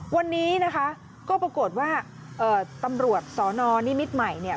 วันนี้นะคะก็ปรากฏว่าตำรวจสนนิมิตรใหม่เนี่ย